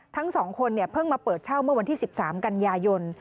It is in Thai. ทั้ง๒คนเพิ่งมาเปิดเช่าเมื่อวันที่๑๓กันยายน